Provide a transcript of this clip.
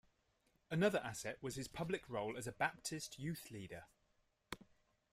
Another asset was his public role as a Baptist youth leader.